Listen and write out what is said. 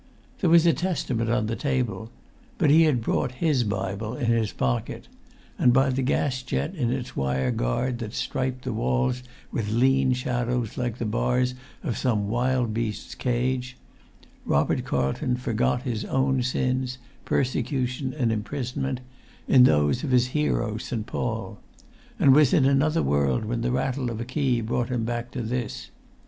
There was a Testament on the table, but he had brought his Bible in his pocket; and by the gas jet in its wire guard, that striped the walls with lean shadows like the bars of some wild beast's cage, Robert Carlton forgot his own sins, persecution and imprisonment, in those of his hero St. Paul; and was in another world when the rattle of a key brought him back to this.